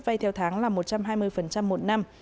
vay theo tháng là một trăm hai mươi một năm